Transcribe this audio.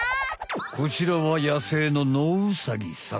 こちらは野生のノウサギさん。